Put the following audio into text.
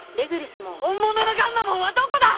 本物のガンマモンはどこだ！？